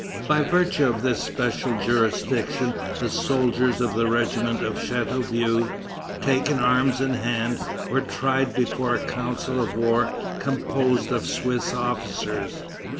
By virtue of this special jurisdiction the soldiers of the regiment of Chateauvieux, taken arms in hand, were tried before a council of war composed of Swiss officers.